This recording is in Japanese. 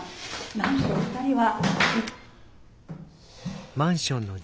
なんとお二人は」。